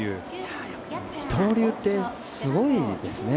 やっぱり二刀流ってすごいですね。